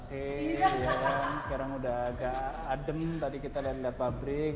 sekarang udah agak adem tadi kita lihat lihat pabrik